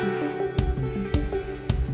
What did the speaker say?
orang orang melihat tak tahu